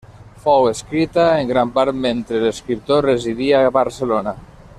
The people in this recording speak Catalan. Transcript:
Fou escrita en gran part mentre l'escriptor residia a Barcelona.